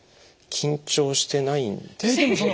緊張してないんですかね。